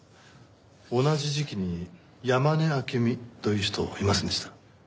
同じ時期に山根朱美という人いませんでした？